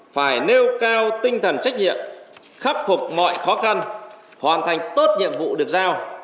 phải nêu cao tinh thần trách nhiệm khắc phục mọi khó khăn hoàn thành tốt nhiệm vụ được giao